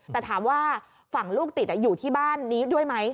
แต่ถามว่าฝั่งลูกติดอยู่ที่บ้านนี้ด้วยไหม